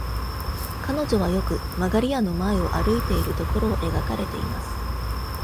彼女はよく、「曲り家」の前を歩いているところを描かれています。